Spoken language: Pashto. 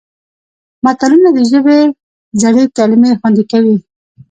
متلونه د ژبې زړې کلمې خوندي کوي